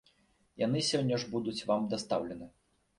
Яны сёння ж будуць вам дастаўлены.